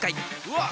うわ！